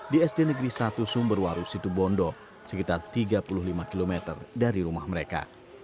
di sd negeri satu sumberwaru situbondo sekitar tiga puluh lima km dari rumah mereka